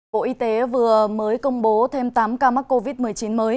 bộ y tế vừa mới công bố thêm tám ca mắc covid một mươi chín mới